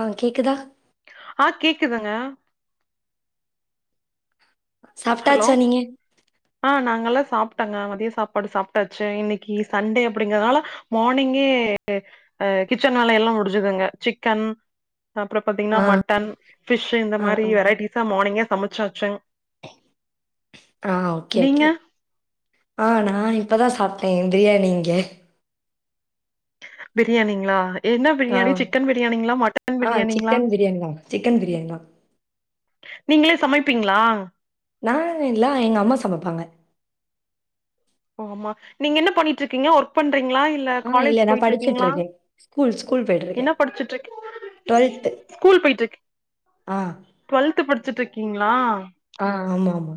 ஆ கேக்குதா ஆ கேக்குதுங்க ஹலோ சாப்ட்டாச்சா நீங்க ஆ நாங்கலா சாப்ட்டங்க மதிய சாப்பாடு சாப்ட்டாச்சு இன்னைக்கு சண்டே அப்டிங்கறதுனால மார்னிங்கே அ கிச்சன் வேலையெல்லா முடிஞ்சதுங்க சிக்கன் சாப்ற பாத்தீங்னா ஆ மட்டன் பிஷ்ஷு இந்த ஆ மாரி ஆ வெரைட்டிஸா மானிங்கே சமச்சாச்சுங் ஆ ஓகே நீங்க? ஓகே ஆ நா இப்பதா சாப்ட்டே பிரியாணி இங்க பிரியாணிங்ளா என்ன ஆ பிரியாணி சிக்கன் பிரியாணிங்ளா மட்டன் ஆ பிரியாணிங்ளா சிக்கன் பிரியாணி தா சிக்கன் பிரியாணி தா நீங்களே சமைப்பீங்ளா நா இல்ல எங்க அம்மா சமைப்பாங்க ஒங்கம்மா நீங்க என்ன பண்ணிட்ருக்கீங்க ஒர்க் பண்றீங்ளா இல் ல ஆ இல்ல காலேஜ் நா போய்ட்ருக்கீங்ளா படிச்சுட்ருக்கே ஸ்கூல் ஸ்கூல் போயிட்ருக்கே என்ன படிச்சுட்ருக்கீ டுவெல்த்து ஸ்கூல் போயிட்ருக்கீ ஆ டுவெல்த்து படிச்சிட்ருக்கீங்ளா ஆ ஆமாம்மா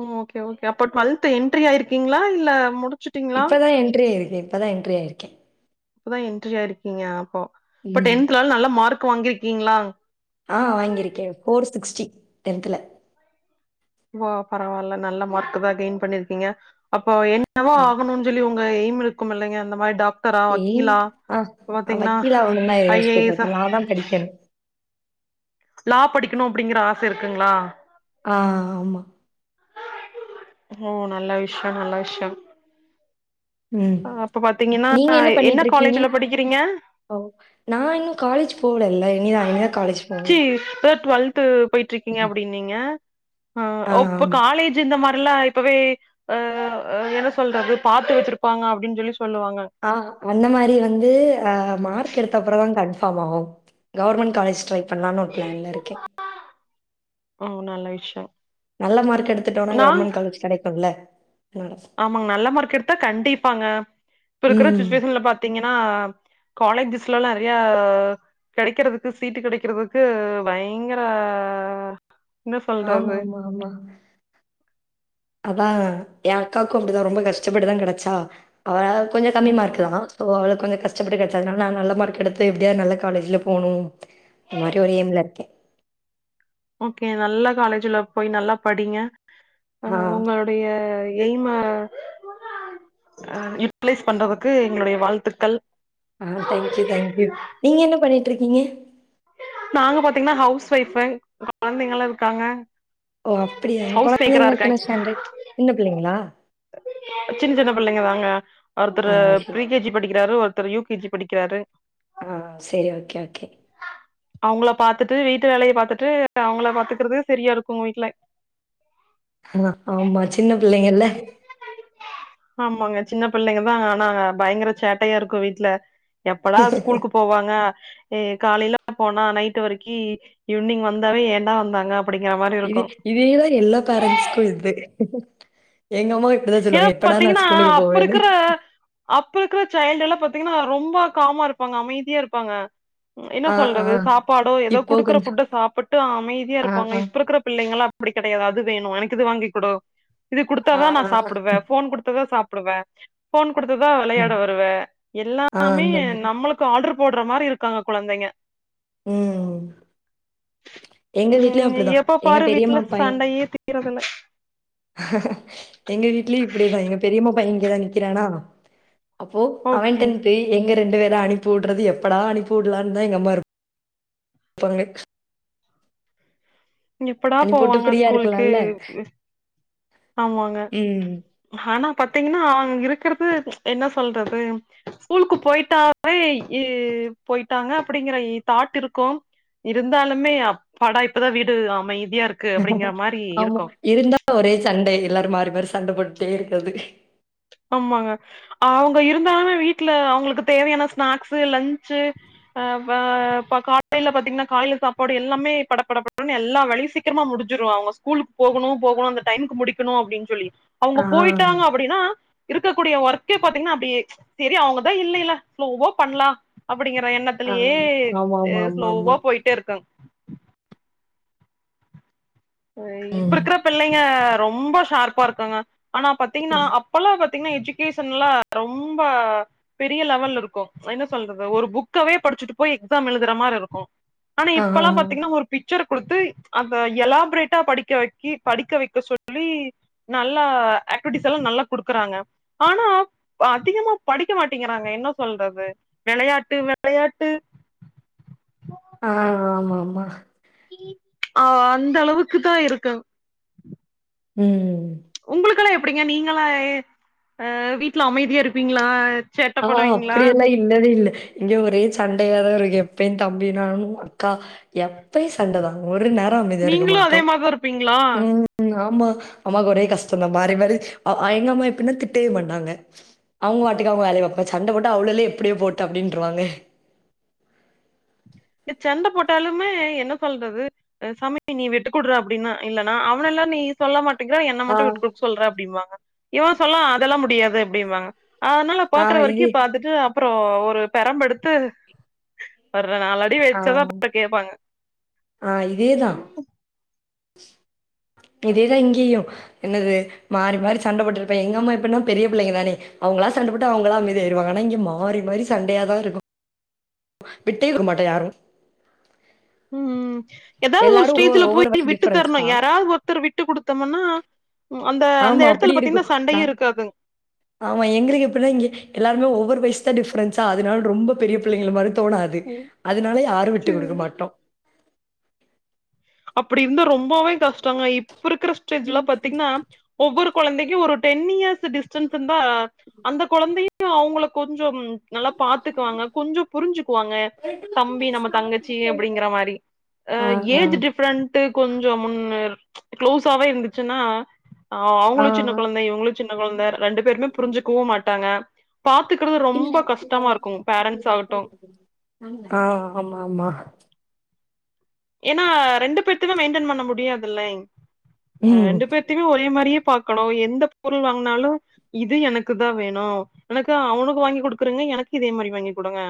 ஓ ஓகே ஓகே அப்போ டுவல்த்து எட்ரி ஆயிருக்கீங்ளா இல்ல முடிச் இப்பதா என்ட்ரியாயிருக்கே இப்பதா என்ட்ரியாயிருக்கே இப்பதா என்ட்ரி ஆயிருக்கீங்க அப்போ இப்ப ம் டென்த்லல் நல்ல மார்க்கு வாங்கிருக்கீங்ளா ஆ வாங்கிருக்கே ஃபோர் சிக்ஸ்டி டென்த்துல ஓ பரவால்ல நல்ல மார்க்கு தா கெயின் பண்ணிருக்கீங்க அப்போ என்னவா ம் ஆகணுன் சொல்லி உங்க எய்ம் இருக்குமில்லங்க அந்த மாரி டாக் டரா ஏம் வக்கீலா ஆ பாத்தீங்னா ஐ ஏ எஸ் ஆ அதா படிக்கணு லா படிக்கணு அப்டிங்கிற ஆச இருக்குங்ளா ஆ ஆமா ஓ நல்ல விஷ்ய நல்ல விஷ்யம் ம் ஆ அப்ப பாத்தீங்கனா நீங்க என்ன பண்ணிட்டுருக்கீங்க? காலேஜ்ல படிக்கிறீங்க ஓ நா இன்னு காலேஜ் போகலல்ல இனிதா இனிதா காலேஜ் போணும். இப்பதா டுவெல்த்து போய்ட்ருக்கீங்க அப்டின் நீங்க அ ஆ ஓ இப்ப ஆமா. காலேஜ் ஜு இந்த மாரிலா இப்பவே அ அ என்ன சொல்றது பாத்து வெச்சிருப்பாங்க அப்டின் சொல்லி சொல்லுவாங்க ஆ அந்த மாரி வந்து அ மார்க் எடுத்தப்றதா கன்ஃபாம் ஆகும் கவர்மென் காலேஜ் ட்ரை பன்லானு ஒரு ப்ளான்ல இருக்கே ஆ நல்ல விஷயம் நல்ல மார்க் எத்துட்டோனா கவர்மெண்ட் காலேஜ் கெடைக்குல்ல ஆமாங்க நல்ல மார்க் எடுத்தா கண்டிப்பாங்க இப்ப இருக்கிற ம். சுச்சுவேஷன்ல பாத்தீங்கனா காலேஜஸ்லலா நெறையா கெடைக்கிறதுக்கு சீட்டு கெடைக்கிறதுக்கு பயங்கர என்ன சொல்றது ஆமாம்மாம்மா அதா என் அக்காக்கு அப்படிதா ரொம்ப கஷ்டப்பட்டுதா கெடச்சா அவ கொஞ்சோ கம்மி ம் மார்க்தா தோ அவளக் கொஞ்ச கஷ்டப்பட்டு கிடச்சாதனால நா நல்ல மார்க் எடுத்து எப்டியாத் நல்ல காலேஜ்ல போணு மரி ஒரு எய்ம்ல இருக்கே ஓகே நல்லா காலேஜ்ல போய் நல்லா படிங்க அ ஆ. உங்களோட் நடைய எய்மா யூட்டிலைஸ் பண்றதுக்கு எங்களுடைய வாழ்த்துக்கள் ஆ டேங்க்யூ தேங்க்யூ நீங்க என்ன பண்ணிட்ருக்கீங்க நாங்க பாத்தீங்கன்னா ஹவுஸ் ஒயஃப குழந்தைங்கல்லாம் இருக்காங்க ஓ அப்படியா ஹவுஸ் மேக்கரா கொழந்தைங்லா இருக்காங்க எத்தன ஸ்டாண்டட் இன்ன பிள்ளைங்களா சின்ன சின்ன பிள்ளைங்க தாங்க ஒருத்தர் ஆ சரி. பரிகேஜி படிக்கிறாரு ஒருத்தர் யூகேஜி படிக்கிறாரு ஆ சேரி ஓகே ஓகே அவங்கள பாத்துட்டு வீட்டு வேலையை பாத்துட்டு அவங்கள பாத்துக்குறதுக்கு சரியா இருக்கும் வீட்டுல ஆ ஆமா சின்ன பிள்ளைங்கல்ல ஆமாங்க சின்ன பிள்ளைங்கதான் ஆனாங்க பயங்கர சேட்டையா இருக்கும் வீட்டு்ல எப்படா ஸ்கூல்க்கு போவாங்க எ காலைல போனா நைட் வருக்கி ஈவி்னிங் வந்தாவே ஏண்டா வந்தாங்கப் இதி இதேதா எல்லா காரண்ஸ்க்கு இத்து எங்கம்மாய் ஏனா பாத்தீங்கனா அப்புருக்குற அப் இருக்குற சாசைல்டுல்லா பாத்தீங்கன்னா ரொம்ப காமா இருப்பாங்க அமைதியா இருப்பாங்க என்ன ஆ, ஆ. சொல்றது சாப்பாடோ ஏதோ இப்போ குடுக்குற கொஞ்சம் ஃபுட்ட சாப்புட்டு அமைதியா ஆ, இருப்பாங்க ஆ, இப்ப இருக்குற பிள்ளைங்களாப் ப்டி கெடையாது அது வேணு எனக் இது வாங்கி குடோ இது ஆ, குடுத்தாதா நா சாப் ஆ, வே ஃபோன் குடுத்ததா சாப்டுவே ஃபோன் குடுத்துதா விளையாட ம். வருவே ஆ எல்லாமே அந்த மாரி. நம்மளுக் சோ ஆல்டர் போட்ற மாரி இருக்காங்க குழந்தைங்க ம். எங்க வீட்லயும் உம் அப்படிதான். எப்ப எங்க பாரு பெரியம்மா வீட்ல பையன் சண்டையே தி இரதில்ல எங்க வீட்லியு இப்புடேதா எங்க பெரியம்மா பைய இங்கதா நிக்கிறானா அப்போ ஓகே அவன்டன்த் தெய் எங்க ரெண்டு வேரா அனுப்பி வுட்றது எப்படா அனுப்பி வுட்லான் தா எங்கம்மாரு ப்பாங்க இங் எப்படா அனுப்பிவுட்டு போவாங்க ஃப்ரீயா ஸ்கூல்க்கே இருக்கலாம்ல. எ ஆமாங்க ம். ஆனா பாத்தீங்கன்னா அங் இருக்குறுது என்னா சொல்றது ஸ்கூலுக்கு போய்ட்டாவே எ போய்ட்டாங்க அப்படிங்கறய் தாட் இருக்கும் இருந்தாலுமே அப்பாடா இப்பதா வீடு அமைதியார் ஆமா இருந்தா ஒரே சண்டை எல்லாரு மாறி மாறி சண்ட போட்டுட்டே இருக்கது ஆமாங்க அவ்ங்க இருந்தால்மே வீட்ல அவ்ங்களுக்கு தேவையான ஸ்நாக்ஸு லன்ச்சு ஆ ப பா காலைய்ல பாத்தீங்னா காயில சாப்பாடு எல்லாமே படப்படப்படுன் எல்லா வேலயு சி க்கிர்மா முடிஞ்சுரு அவங்க ஸ்கூலுக் போகுணு போகுணு அந்த டைம்க்கு முடிக்கணு அப்டின் சொல்லி ஆ. அவ்ங்க போய்ட்டாங்க அப்படின்னா இருக்கக்கூடிய வர்க்கே பாத்தீங்னா அப்டி செரி அவங்கதா இல்லையெல ஸ்லோவோ பண்லா அப்படிங்கற எண்ணத் ஆ. க்கல்லியே எ ஸ்லோவா ஆமாமாமாமா. போய்ட்டே இர்க்கங் சய் இப்ப ம். இருக்ற பிள்ளைங்க ரொம்ப ஷார்ப்பா இருக்குங்க ஆனா பத்தீங்னா ப்பல்லா பாத்தீங்னா எஜுகேஷன்லா ரொம்ப பெரிய லெவல்ல இருக்கும் என்ன சொல்றது ஒரு புக்காவே படிச்சுட்டு போய் எக்ஸாம் எழுதுற மார் இருக்கும் ஆனா ஆ. இப்பலாம் பாத்தீங்ன்னா ஒரு பிக்சர குடுத்து அந்த எலாம் செப்ரேட்டா படிக்க வைக்கி படிக்க வைக்க சொல்லி நல்லா ஆக்டிவிட்டிஸ் எல்லாம் நல்லா குடுக்குறாங்க ஆனா அதிகமா படிக்க மாட்டேங்கிறாங்க என்ன சொல்றது வெளயாட்டு வெளயாட்டு ஆ ஆமா ஆமா ஆ அந்த அளவுக்கு தான் இருக்கன் ம் ம் உங்களுக்கலாம் எப்டிங்க நீங்களாம் அ வீட்ல அமைதியா இருப்பீங்களா சேட்ட ஆ பண்ணுவீங்களா அப்டியெல்லாம் இல் இல்லவே இல்ல இங்க ஒரே சண்டையாதா இருக்கு எப்பயும் தம்பி நானும் அக்கா எப்பயும் சண்டதான் ஒரு நேரம் அமைதியா இருக்க நீங்களு அதே மாட்டோம் மாரிதா இருப்பீங்களா ம் ம் ஆமா அம்மாவுக்கு ஒரே கஷ்டம் தான் மாறி மாறி அ அ எங்க அம்மா எப்டினா திட்டவே மாட்டாங்க அவுங்க வாட்டுக்கு அவங்க வேலய பாப்பாங்க சண்ட போட்டா அவளுள்ளே எப்டியோ போட்டும் அப்டின்றுவாங்களே இந்த சண்ட போட்டாலுமே என்ன சொல்றது அ சமித் நீ விட்டுக்குறா அப்டின்னா இல்லனா அவனெல்லாம் நீ சொல்ல மாட்டேங்ற என்ன ஆ. மட்டும் விட்டு குடு சொல்ற அப்டிம்பாங்க இவன் சொல்லாம் அதெல்லாம் முடியாது அப்டிப்பாங்க அனால ஆ பாக்குற இது வரைக்கும் பாத்துட்டு அப்பறோ ஒரு பெரம்பெடுத்து ஒரு நாள் அடி ஆ வச்சாதான் அப்றோம் கேப்பாங்க ஆ இதேதான் இதேதான் இங்கேயும் என்னது மாறி மாறி சண்ட போட்டுருப்பேன் எங்கம்மா எப்டினா பெரிய பிள்ளைங்க தானே அவங்களா சண்டபோட்டு அவங்களா அமைதியாய்டுவாங்க ஆனா இங்க மாறி மாறி சண்டையா தான் இருக்கும் விட்டே குடுக்க மாட்டோம் யாரும் ம் ம் ஏதாவது ஒரு எல்லாரும் ஒ ஸ்டேஜ்ல ஒவ்வொரு போய் வயசு விட்டு டிஃபரன்ஸ் தரணும் தான். யாராவது ஒரு த்தர் விட்டு கொடுத்தோம்னா அந்த அந்த ஆமா இடத்துல அப்டி பாத்தீங்னா இருக்கும். நான் சண்டையே இருக்காதுங் ஆமா எங்களுக்கு எப்டின்னா இங்க எல்லாருமே ஒவ்வொரு வயசு தான் டிஃப்ரன்ஸா அதனால ரொம்ப பெரிய பிள்ளைங்கள மாரி தோணாது அதுனால யாரும் விட்டு குடுக்க மாட்டோம் அப்டி இருந்தா ரொம்பவே கஷ்டங்க இப்ப இருக்கிற சுச்வேஷன்லாம் பாத்தீங்னா ஒவ்வொரு கொழந்தைக்கும் ஒரு டென் இயர்ஸ் டிஸ்டன்ஸ் இருந்தா அந்த கொழந்தையும் அவுங்கள கொஞ்சோம் நல்லா பாத்துக்குவாங்க கொஞ்சோம் புரிஞ்சுக்குவாங்க தம்பி நம்ம தங்கச்சி அப்டிங்கிற மாரி ஆ ஏஜ் டிப் ஃடிப்ரெண்ட் கொஞ்சோம் முன்னு க்ளோஸாவே இருந்துச்சுனா ஆ அவங்களும் சின்ன கொழந்த இவங்களும் சின்ன கொழந்த ரெண்டு பேருமே புரிஞ்சுக்கவும் மாட்டாங்க பாத்துக்றது ரொம்ப கஷ்டமா இருக்கும் பேரண்ட்ஸ் ஆகட்டும் ஆ ஆமா ஆமா ஏனா ரெண்டு பேத்தயும் மெயின்டன் பண்ண முடியாது இல்லே அ ம். ரெண்டு பேத் தயு ஒரே மாரியே பாக்கணும் எந்த பொருள் வாங்னாலும் இது எனக்கு தான் வேணும் எனக்கு அவனுக்கு வாங்கி குடுக்குறிங்க எனக்கு இதே மாரி வாங்கி குடுங்க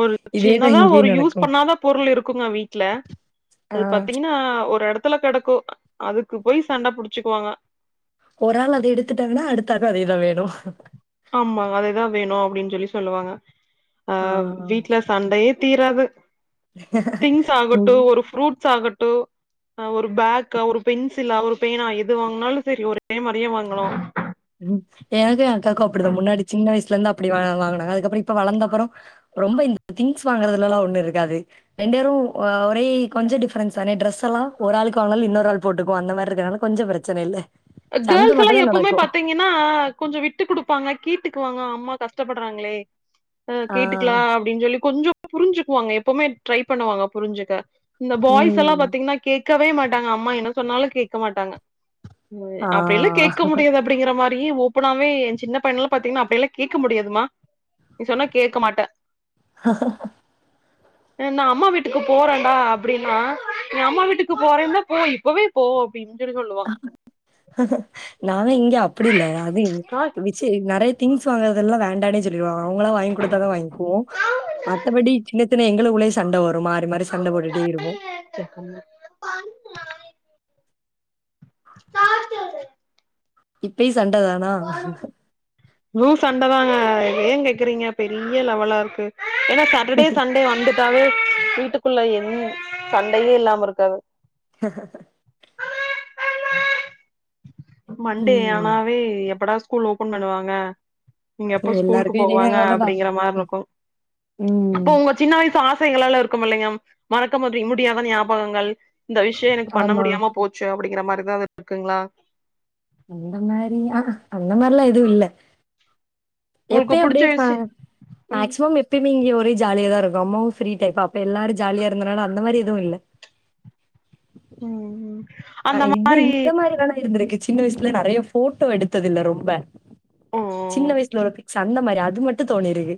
ஒரு இதே தான் சின்னதா ஒரு இங்கேயும் யூஸ் நடக்கும். பண்ணாத பொருள் இருக்குங்க வீட்ல ஆ அது பாத்தீங்ன்னா ஒரு எடத்துல கெடக்கும் அதுக்கு போய் சண்ட புடிச்சுக்குவாங்க ஒரு ஆள் அத எடுத்துட்டாங்கனா அடுத்ததா அதேதான் வேணும் ஆமாங்க அதேதான் வேணும் அப்டின்னு சொல்லி சொல்லுவாங்க ஆ வீட்ல சண்டயே தீராது திங்ஸ் ஆகட்டு ம். ஒரு ஃப்ரூட்ஸ் ஆகட்டு அ ஒரு பேக்கா ஒரு பென்சிலா ஒரு பேனா எது வாங்கனாலு சரி ஒரே மாரியே வாங்கணு ம் எனக்கு என் அக்காக்கு அப்படிதா முன்னாடி சின்ன வயசுல இருந்து அப்படி வ வாங்கனாங்க அதுக்கப்புறோ இப்ப வளந்த அப்பறோ ரொம்ப இந்த திங்ஸ் வாங்குறதுலல்லாஒண்ணு இருக்காது ரெண்டேரு அ ஒரே கொஞ்ச டிஃப்ரென்ஸ் தானே ட்ரெஸ் எல்லா ஒரு ஆளுக்கு வாங்னாலு இன்னொரு ஆள் போட்டுக்கோ அந்த மாதிரிதா கொஞ்ச பிரச்சன இல்ல சண்ட கேர்ள்ஸ் எல்லா மட்டும் தான் எப்பவுமே நடக்கும். பாத்தீங் னா கொஞ்சோ விட்டு குடுப்பாங்க கேட்டுக்குவாங்க அம்மா கஷ்ட்டப்படுறாங்களே அ ஆ, கேட்டுக்கலா அப்டின்னு சொல்லி கொஞ்சோ புரிஞ்சுக்குவாங்க எப்பமே ட்ரை பண்ணுவாங்க புரிஞ்சுக்க இந்த பாய்ஸ் ம். எல்லாம் பாத்தீங்கன்னா கேக்கவே மாட்டாங்க அம்மா என்ன சொன்னாலு கேக்க மாட்டாங்க அ ஆ அப்படி எல்லா கேக்க முடியாது அப்படிங்கற மாரியே ஓப்பனாவே எ சின்ன பையன்லாம் பாத்தீங்கன்னா அப்டி எல்லா கேக்க முடியாதுமா நீ சொன்னா கேக்க மாட்ட ஆஹ நா அம்மா வீட்டுக்கு போறேன்டா அப்படின்னா நீ அம்மா வீட்டுக்கு போறேன்னா போ இப்பவே போ அப்டினு சொல்லி சொல்லுவா நானு இங்க அப்படி இல்ல அது அக்கா, ச்சி நறைய திங்ஸ் வாங்குறதெல்லா வேண்டானே சொல்லிடுவோ அவுங்கலா வாங்கி கொடுத்தா தா வாங்கிகுவோ மத்தபடி சின்ன சின்ன எங்களுகுள்ளயே சண்ட வரு மாறி மாறி சண்ட போட்டுட்டே இருபோ [unintelligible] [unintelligible] இப்பயு சண்டதானா னு சண்டதாங்க ஏ கேக்குறீங்க பெரிய லெவலா இருக்கு ஏன்னா ச டர்டே சண்டே வந்துட்டாவே வீட்டுக்குள்ள என் சண்டையே இல்லாம இருக்காது ஹ மண்டே ம். ஆனாவே எப்படா ஸ்கூல் ஓபன் பண்ணுவாங்க நீங்க எப்ப ஸ்கூலுக்கு போவாங்க எல்லாருக்கும் தான். அப்படிங்கற மாரி இருக்கு ம். இப்ப உங்க சின்ன வயசு ஆசைகளலா இருக்கும் இல்லைங்க மறக்க முடியு முடியாத ஞாபகங்கள் இந்த விஷ்யோ எனக்கு பண்ண ஆமா. முடியாம போச்சு அப்படிங்கிற மாரிதா அது இருக்குங்களா அந்த மாரி அ அந்த மாரிலா எது இல்ல உங்களுக்கு எப்பய புடிச்ச அப்படியே ப விஷயம் ம் மேக்சிமம் எப்பயமே இங்க ஒரே ஜாலிய தா இருக்கு அம்மாவும் ஃப்ரீ டைப்பா அப்ப எல்லாரு ஜாலியா இருந்தனால அந்தமாரி எது இல்ல ம் ம் ஆ அந்த இது மாரி இந்த மாதிரிதான இருந்திருக்கு சின்ன வயசுல நறைய ஃபோட்டோ எடுத்ததில்ல ரொம்ப ஓ சின்ன வயசுல ஒரு பிக் சண்ட மாரி அது மட்டு தோணிருக்கு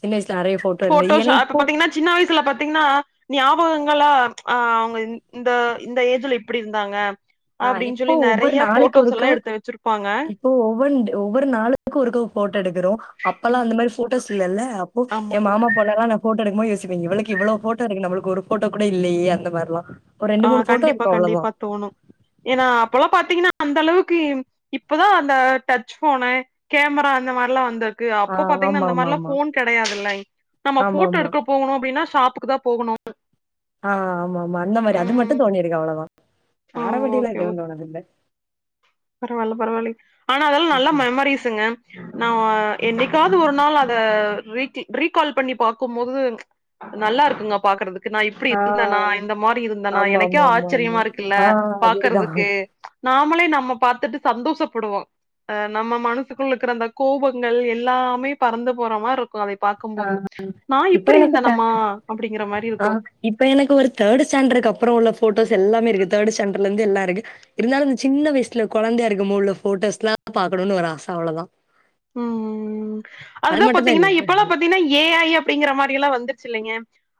சின்ன வயசுல நறைய ஃபோட் ஃபோட்டோஷா இப்ப பாத்தீங்கன்னா சின்ன வயசுல பாத்தீங்கன்னா ஞாபகங்களா அ அவுங்க இந் இந்த இந்த ஏஜ்ல இப்டி இருந்தாங்க அ அப்டின்னு இப்போ சொல்லி நறைய ஃபோட்டோஸ் எல்லா எடுத்து வச்சிருப்பாங்க ஓ ஒவ்வொன்டு ஒவ்வொரு நாளுக்கு ஒருக்க ஃபோட்டோ எடுக்குறோ அப்பல்லா ம், அந்த மாரி ஃபோட்டோஸ் இல்லல்ல அப்போ எ ஆமாங்க மாமா பொண்ணல்லா ந ஃபோட்டோ எடுக்குமோ யோசிப்ப இவளுக்கு இவளோ ஃபோட்டோ இருக்கு நம்மளுக்கு ஒரு ஃபோட்டோ கூட இல்லையே அந்த மாரிலா ஒரு ஆ ரெண்டுமூணு ஃபோட்டோ கண்டிப்பா இருக்கு அவ்ளோதா கண்டிப்பா தோணு ஏன்னா அப்பல்லாம் பாத்தீங்கன்னா அந்த அளவுக்கு இப்பதா அந்த டச் ஃபோனு கேமரா அந்த மார்லா வந்து க்கு ஆ அப்போ பாத்தீங்கன்னா அந்த மாரிலா ஆமாமாமா. ஃபோன் கிடையாதுல்ல நம்ம ஃபோட்டோ ஆமாமா. எடுக்க போகணு அப்படின்னா ஷாப்புக்கு தா போகணு அ ஆமா ஆமா அந்த மாரி அது மட்டு ம் தோணிருக்கு அவ்வளதா நாரவட்டியிலா ஓகே ஓகே எதுவு தோணதுல்ல பரவால்ல பரவால்லை அனா அதல்லா நல்ல ம்ஹ்ம். மெமரீஸுங்க நா ஒ என்னிக்காவது ஒரு நாள் அத ரீதி ரீகால் பண்ணி பாக்கும்போது நல்லா இருக்குங்க பாக்கறதுக்கு நா இப்புடி இருந்தன்னா ஆ. இந்த மாரி இருந்தன்னா ஆமா எனக்கே ஆமா ஆமா ஆமா ஆச்சரியமா இருக் அ ஆ அதேதான் பாக்கறதுக்கு நாமளே நம்ம பாத்துட்டு சந்தோஷப்படுவோ அ நம்ம மனசுக்குள்ள இருக்கற அந்த கோவங்கள் எல்லாமே பறந்து போற மார் இருக் கு அதைய பாக்கும் போது நா இப்ப இப்படி எனக்கு த இருந்தன்னம்மா அப்படிங்கற மாரி ஆ இருக்கு இப்ப எனக்கு ஒரு தேர்டு ஸ்டாண்டர்கு அப்பறோ உள்ள போட்டோஸ் எல்லாமே இருக்கு தேர்டுஸ்டாண்டர்லருந்து எல்லா இருக்கு இருந்தாலு அந்த சின்ன வயசுல கொழந்தையா இருக்குமுள்ள போட்டோஸ்லா பாக்கணும்னு ஒரு ஆச அவ்வளதா ம் ம் ம் அதுதா மட்டும் தான் பாத்திங்கன்னா இல்ல. இப்பல்லா பாத்திங்கன்னா ஏ ஐ அப் டிங்கற மாரியலா வந்துருச்சு இல்லைங்க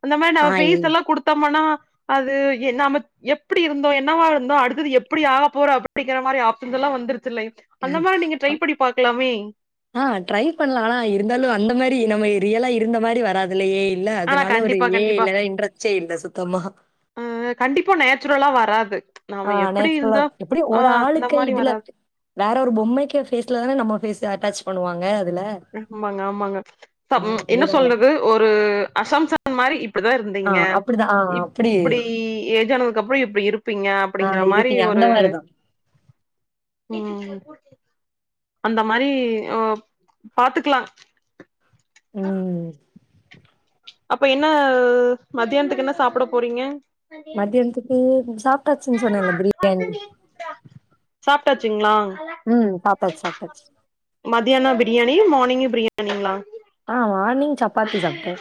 அந்த மாரி ஆ நம்ம இல் பேஸ் எல்லா குடுத்தம்மன்னா அது என்னாம எப்படி இருந்தோ என்னவா இருந்தோ அடுத்தது எப்படி ஆக போறோ அப்படிக்கற மாரி ஆப்ஷன்ஸ் எல்லா வந்துருச்சில் அந்த மாரி நீங்க ட்ரை பண்ணி பாக்கலாமே ஆ ட்ரை பண்ணலா அனா இருந்தாலு அந்த மாரி நம்ம ரியலா இருந்த மாரி வராது அதுல ஏ ஐ இல்ல ஆனா அதனால ஒரு கண்டிப்பா ஏ ஐ இல்லன்னா இன்றச்சே இல்ல சுத்தமா ம் ம் கண்டிப்பா நேச்சுரலா வராது ஆ நாம எப்டி நேச்சுரலா இருந்தா இருக்கு எப்படியு ஒரு அந்த ஆளுக்கு மாரி இதுல வராது வேற ஒரு பொம்மைக்கு ஃபேஸ்ல தானே நம்ம ஃபேச அட்டேச் பண்ணுவாங்க அதுல ஆமாங்க ஆமாங்க ஆ தம் என்ன அதுதான் சொல்றது ஒரு அசம்சன் உன் மாரி இப்பதா ஆ இருந்திங்க அப்படிதான். ஆ அப்படி இப்புடி ஏஜ் ஆனதுக்கு அப்பறோ இப்ப இருப்பிங்க ஆ அப்படிங்கற மாரி இருப்பீங்க. அந்த ஒரு மாரிதான். [inaudible] அந்த மாரி ஓ பாத்துக்கல ம் அப்ப என்ன மத்தியானத்துக்கு என்ன சாப்பட போறீங்க மத்தியானத்துக்கு சாப்ட்டாச்சுன்னு சொன்னேல்ல பிரியாணி சாப்ட்டாச்சுங்களா ம். சாப்ட்டாச்சு, சாப்ட்டாச்சு. மத்தியானோ பிரியாணி மார்னிங்கு பிரியாணிங்களா ஆ மார்னிங் சப்பாத்தி சாப்ட்டே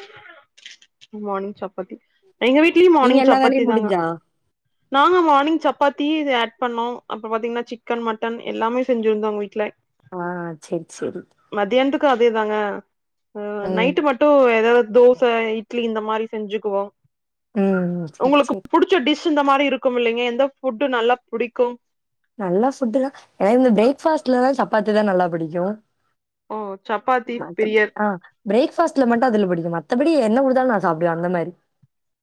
மார்னிங் சப்பாத்தி எங்க வீட்லயு நீங்க மார்னிங் எல்லா சப்பாத்தி வேலையும் தாங்க முடிஞ்சா? நாங்க மார்னிங் சப்பாத்தி இது ஆட் பண்ணோ அப்பறோ பாத்திங்கன்னா சிக்கன் மட்டன் எல்லாமே செஞ்சிருந்தோ எங்க வீட்டுல ஆ செர் சேரி மத்தியானத்துக்கு அதே தாங்க அ ம், நைட் மட்டு எதாவது தோச இட்லி இந்த மாரி செஞ்சுக்குவோ ம். சரி, உங்களுக்கு சரி. புடி சு டிஷ் இந்த மாரி இருக்குமில்லிங்க எந்த ஃபுட்டு் நல்லா புடிக்கு நல்ல ஃபுட்டு் தா ஏனா இந்த பிரேக்பாஸ்ட்லதா சப்பாத்தி தா நல்லா பிடிக்கு ஓ சப்பாத்தி பிரிய [inaudible] ஆ பிரேக் ஃபாஸ்ட்ல மட்டு அதுல புடிக்கு மத்தபடி என்ன குடுத்தாலு நா சப்டுவ அந்த மாரி